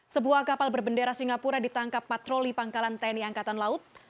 sebuah kapal berbendera singapura ditangkap patroli pangkalan tni angkatan laut